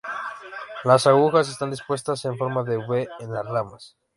Las agujas están dispuestas en forma de V en las ramas.